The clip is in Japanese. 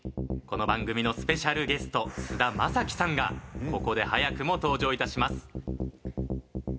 この番組のスペシャルゲスト菅田将暉さんがここで早くも登場いたします。